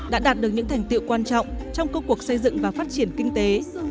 đã đạt được những thành tiệu quan trọng trong công cuộc xây dựng và phát triển kinh tế